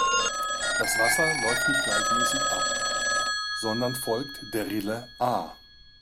Das Wasser läuft nicht gleichmäßig ab, sondern folgt der Rille "A".